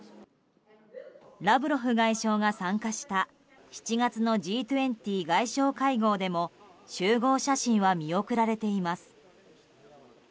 ラブロフ外相が参加した７月のＧ２０外相会合でも集合写真は見送られています。